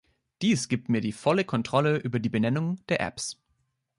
Dies gibt mir die volle Kontrolle über die Benennung der Apps.